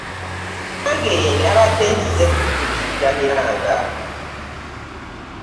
Nange nabadde nzize kudduukirira miranga.